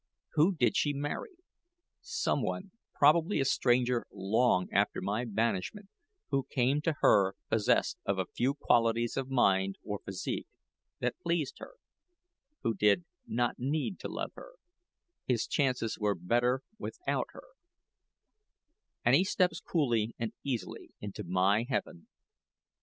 Who did she marry? Some one, probably a stranger long after my banishment, who came to her possessed of a few qualities of mind or physique that pleased her, who did not need to love her his chances were better without that and he steps coolly and easily into my heaven.